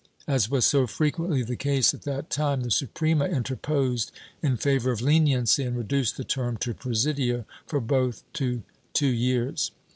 As was so frequently the case at this time, the Suprema interposed in favor of leniency and reduced the term to presidio for both to two years.